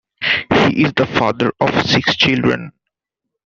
He is the father of six children.